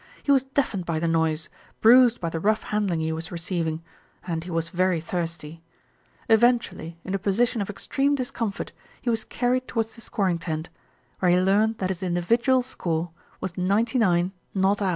He was deafened by the noise, bruised by the rough handling he was receiving, and he was very thirsty. Eventually, in a position of extreme discomfort, He was carried towards the scoring tent, where he learned that his individual score was 99 not out.